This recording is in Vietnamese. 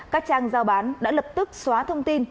các trang giao bán đã lập tức xóa thông tin